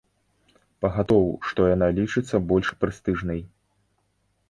Пагатоў што яна лічыцца больш прэстыжнай.